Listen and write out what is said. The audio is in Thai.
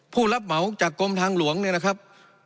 ผู้รับเหมาจากกรมทางหลวงเนี่ยนะครับ